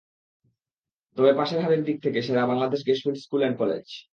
তবে পাসের হারের দিক থেকে সেরা Bangladesh gas fields school and college.